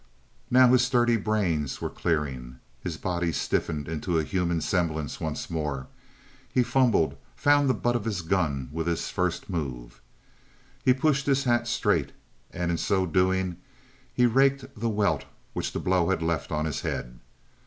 Now his sturdy brains were clearing. His body stiffened into a human semblance once more; he fumbled, found the butt of his gun with his first move. He pushed his hat straight: and so doing he raked the welt which the blow had left on his head.